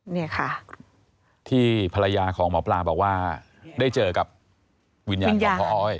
นี่ค่ะที่ภรรยาของหมอปลาบอกว่าได้เจอกับวิญญาณของพ่ออ้อย